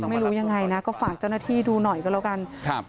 ไม่รู้ยังไงนะก็ฝากเจ้าหน้าที่ดูหน่อยก็แล้วกันครับ